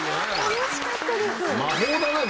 楽しかったです。